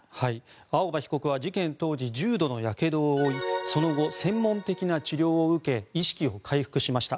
青葉被告は事件当時重度のやけどを負いその後、専門的な治療を受け意識を回復しました。